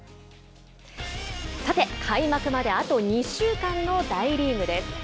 さて、開幕まであと２週間の大リーグです。